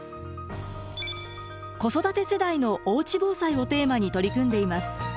子育て世代のおうち防災をテーマに取り組んでいます。